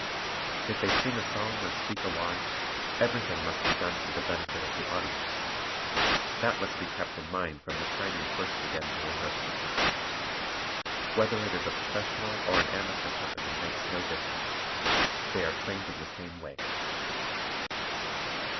If they sing a song or speak a line, everything must be done for the benefit of the audience. That must be kept in mind from the time you first begin to rehearse the company. Whether it is a professional or an amateur company makes no difference. They are trained in the same way.